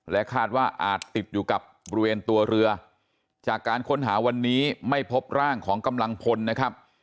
คาดว่าอาจติดอยู่กับบริเวณตัวเรือจากการค้นหาวันนี้ไม่พบร่างของกำลังพลนะครับ